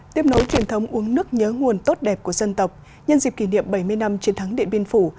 tiếp nối truyền thống uống nước nhớ nguồn tốt đẹp của dân tộc nhân dịp kỷ niệm bảy mươi năm chiến thắng điện biên phủ